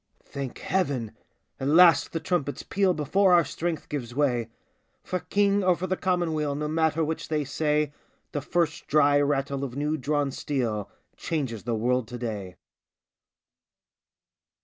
Thank Heaven ! At last the trumpets peal Before our strength gives way. For King or for the Commonweal No matter which they say, The first dry rattle of new drawn steel Changes the world to day